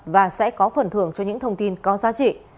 và sẽ có phần thưởng cho những thông tin có giá trị